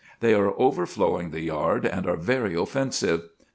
They are overflowing the yard, and are very offensive.